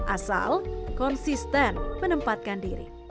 asal konsisten menempatkan diri